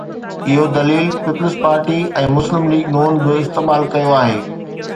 اهو دليل پيپلز پارٽي ۽ مسلم ليگ ن به استعمال ڪيو آهي.